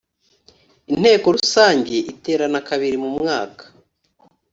Inteko Rusange iterana kabiri mu mwaka